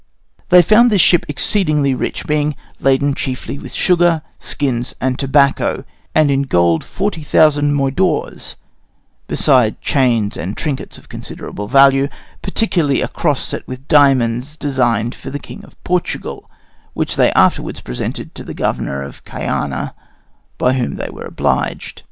They found this ship exceedingly rich, being laden chiefly with sugar, skins, and tobacco, and in gold forty thousand moidores, besides chains and trinkets of considerable value; particularly a cross set with diamonds designed for the king of Portugal, which they afterwards presented to the governor of Caiana, by whom they were obliged.